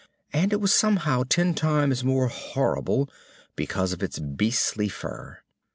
And it was somehow ten times more horrible because of its beastly fur.